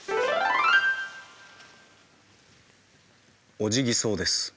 オジギソウです。